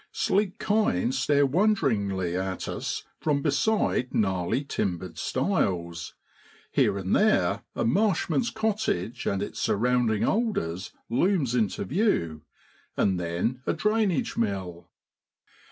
Sleek kine stare wonderingly at us from beside gnarly timbered stiles, here and there a marshman's cottage and its surrounding alders looms into view, and then a drainage mill.